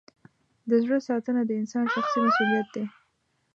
د زړه ساتنه د انسان شخصي مسؤلیت دی.